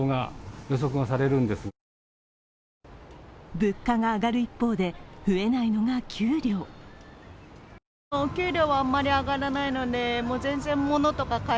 物価が上がる一方で増えないのが給料。